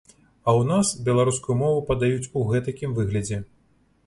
А ў нас беларускую мову падаюць у гэтакім выглядзе.